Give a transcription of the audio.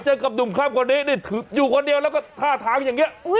กับหนุ่มข้ามคนนี้นี่อยู่คนเดียวแล้วก็ท่าทางอย่างนี้